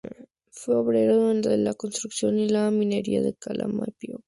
Fue obrero de la construcción y la minería en Calama y Copiapó.